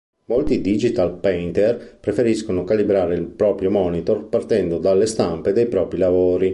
Molti "digital painter" preferiscono calibrare il proprio monitor partendo dalle stampe dei propri lavori.